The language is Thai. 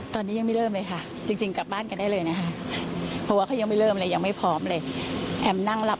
ที่ยังไม่เริ่มไหมความว่ายังไม่เริ่มกระบวนการสอบส่วนอะไรยังไง